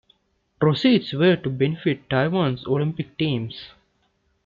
Proceeds were to benefit Taiwan's Olympic teams.